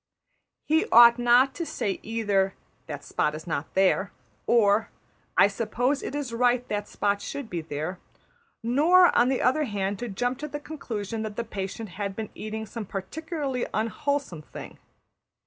He ought not to say either, ``That spot is not there,'' or, ``I suppose it is right that spot should be there,'' nor, on the other hand, to jump to the conclusion that that patient had been eating some particularly unwholesome thing.